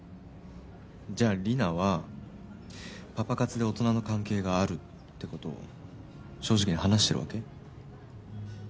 じゃあリナはパパ活で大人の関係があるってことを正直に話してるわけ？